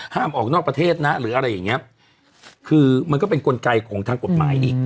ออกนอกประเทศนะหรืออะไรอย่างเงี้ยคือมันก็เป็นกลไกของทางกฎหมายอีก